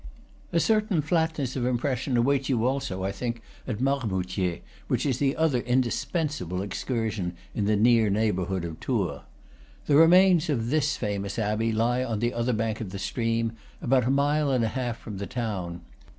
A certain flatness of impression awaits you also, I think, at Marmoutier, which is the other indisuensable excursion in the near neighborhood of Tours. The remains of this famous abbey lie on the other bank of the stream, about a mile and a half from the town.